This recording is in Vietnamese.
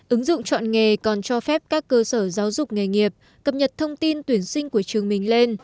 ứng dụng chọn nghề còn cho phép các cơ sở giáo dục nghề nghiệp cập nhật thông tin tuyển sinh của trường mình lên